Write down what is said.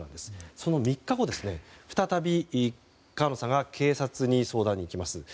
その３日後再び川野さんが警察に相談に行きます。